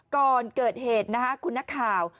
ก่อนเกิดเหตุนะคะคุณนักข่าว